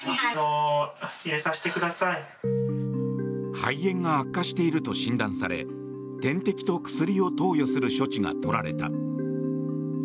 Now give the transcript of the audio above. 肺炎が悪化していると診断され点滴と薬を投与する処置が取られた。